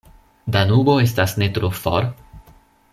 Danubo estas ne tro for.